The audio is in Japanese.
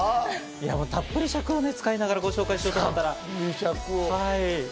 たっぷり尺を使いながらご紹介しようと思ったら。